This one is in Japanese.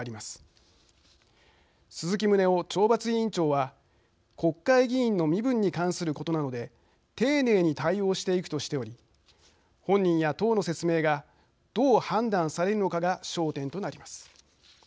鈴木宗男懲罰委員長は国会議員の身分に関することなので丁寧に対応していくとしており本人や党の説明がどう判断されるのかが焦点となります。